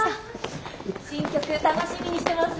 新曲楽しみにしてます。